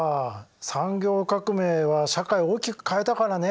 産業革命は社会を大きく変えたからね。